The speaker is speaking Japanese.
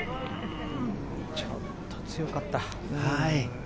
ちょっと強かった。